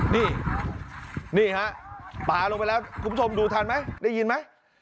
นี่นี่ฮะปลาลงไปแล้วคุณผู้ชมดูทันไหมได้ยินไหม